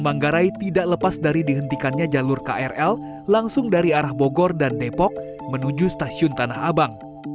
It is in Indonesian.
manggarai tidak lepas dari dihentikannya jalur krl langsung dari arah bogor dan depok menuju stasiun tanah abang